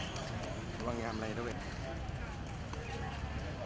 และถึงอันดับบรรยายไหวอันดับจริงที่ใหม่